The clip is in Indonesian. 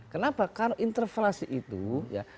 kenapa karena interpelasi itu ya